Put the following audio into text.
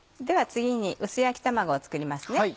では次に薄焼き卵を作ります。